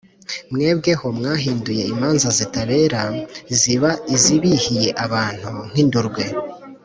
Mwebweho mwahinduye imanza zitabera ziba izibihiye abantu nk’indurwe,